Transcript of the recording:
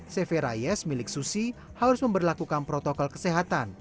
cv rayes milik susi harus memperlakukan protokol kesehatan